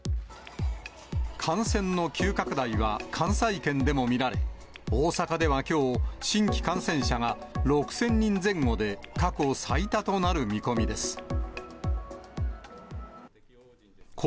感染の急拡大は関西圏でも見られ、大阪ではきょう、新規感染者が６０００人前後で、過去最多となる見込みです。